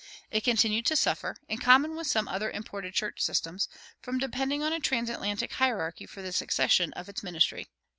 It continued to suffer, in common with some other imported church systems, from depending on a transatlantic hierarchy for the succession of its ministry.